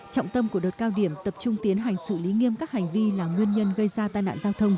trọng tâm của đợt cao điểm tập trung tiến hành xử lý nghiêm các hành vi là nguyên nhân gây ra tai nạn giao thông